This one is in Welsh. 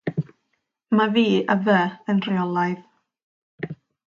Mae "fi-" a "fy-" yn rheolaidd.